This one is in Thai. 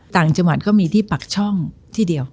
ต่างจังหวัดก็มีที่ปักช่องที่เดียว